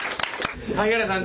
萩原さん